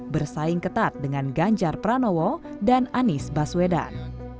bersaing ketat dengan ganjar pranowo dan anies baswedan